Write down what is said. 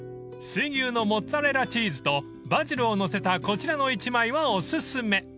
［水牛のモッツァレラチーズとバジルを載せたこちらの１枚はお薦め］